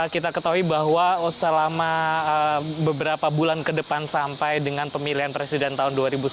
kita ketahui bahwa selama beberapa bulan ke depan sampai dengan pemilihan presiden tahun dua ribu sembilan belas